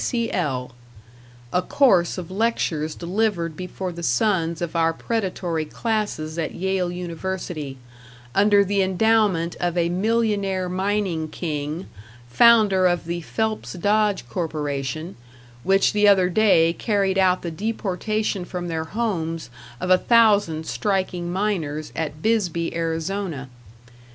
D., D.C.L. a course of lectures delivered before the sons of our predatory classes at Yale University, under the endowment of a millionaire mining king, founder of the Phelps Dodge corporation, which the other day carried out the deportation from their homes of a thousand striking miners at Bisbee, Arizona.